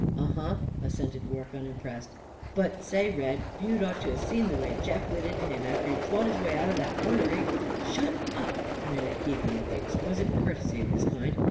"Uh huh," assented Rorke, unimpressed. "But say, Red, you'd ought to 'a' seen the way Jeff lit into him, after he'd fought his way out of that corner! He " "Shut up!" commanded Keegan, with the exquisite courtesy of his kind.